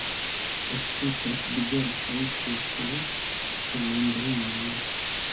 Ekzistas diversaj specoj de mandrenoj.